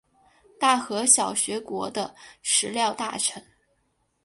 大和小学国的食料大臣。